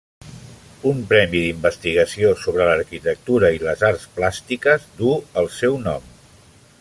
Un premi d'investigació sobre l'arquitectura i les arts plàstiques duu el seu nom.